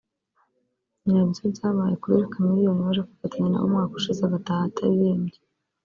ni nabyo byabaye kuri Chameleone waje kwifatanya na bo umwaka ushize agataha ataririmbye